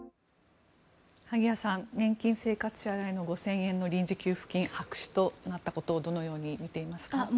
萩谷さん、年金生活者への５０００円の臨時給付金が白紙となったことをどのように見ていますか？